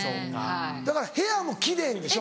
だから部屋も奇麗なんでしょ？